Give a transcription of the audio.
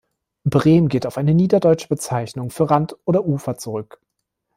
Brehm geht auf eine niederdeutsche Bezeichnung für Rand oder Ufer zurück.